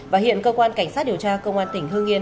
và hiện cơ quan cảnh sát điều tra công an tỉnh hương yên